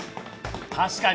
確かに！